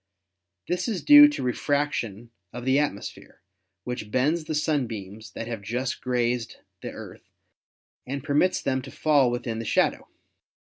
This is due to refraction of the atmosphere, which bends the sunbeams that have just grazed the Earth and permits them to fall within the shadow.